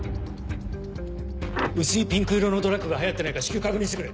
薄いピンク色のドラッグが流行ってないか至急確認してくれ。